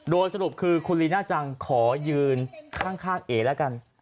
โดยสรุปคือคุณลีน่าจังขอยืนข้างเอ๋แล้วกัน